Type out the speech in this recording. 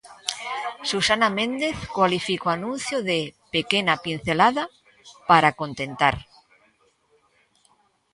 Susana Méndez cualifica o anuncio de "pequena pincelada" para "contentar".